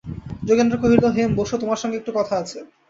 যোগেন্দ্র কহিল, হেম, বোসো, তোমার সঙ্গে একটু কথা আছে।